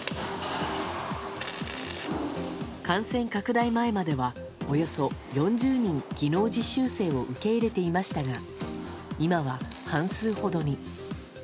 感染拡大前まではおよそ４０人、技能実習生を受け入れていましたが今は、半数ほどに。